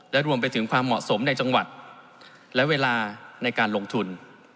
และรวมไปถึงความเหมาะสมในจังหวัดและเวลาในการลงทุน